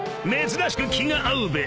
珍しく気が合うべ］